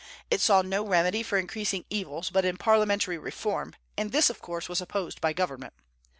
It saw no remedy for increasing evils but in parliamentary reform, and this, of course, was opposed by government.